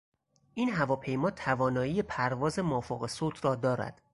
این هواپیما توانایی پرواز مافوق صوت را دارد.